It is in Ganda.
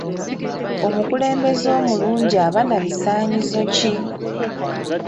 Omukulembeze omulungi aba na bisaanyizo ki?